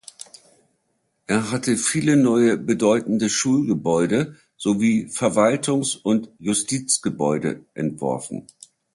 Er hatte viele neue bedeutende Schulgebäude sowie Verwaltungs- und Justizgebäude entworfen.